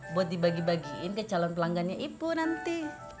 buat dibagi bagiin ke calon pelanggannya ibu nanti